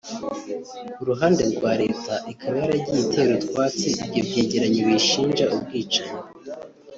Ku ruhande rwa Leta ikaba yaragiye itera utwatsi ibyo byegeranyo biyishinja ubwicanyi